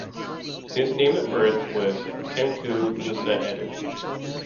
His name at birth was Tengku Musa Eddin.